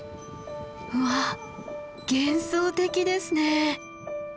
うわっ幻想的ですね。